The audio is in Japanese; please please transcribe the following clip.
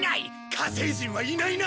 火星人はいないな！